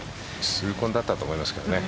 痛恨だったと思いますけどね。